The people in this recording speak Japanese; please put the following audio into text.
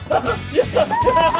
やった！